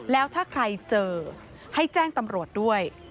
แล้วถ้าใครเจอให้แจ้งตำรวจด้วย